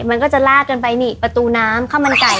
มันก็จะลากกันไปนี่ประตูน้ำข้าวมันไก่